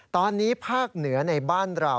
ตอนนี้ภาคเหนือในบ้านเรา